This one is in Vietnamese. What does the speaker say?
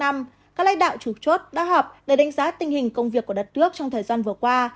các lãnh đạo chủ chốt đã họp để đánh giá tình hình công việc của đất nước trong thời gian vừa qua